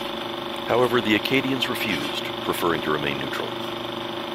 However, the Acadians refused, preferring to remain neutral.